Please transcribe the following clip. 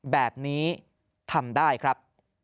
แบบนี้ทำได้ครับ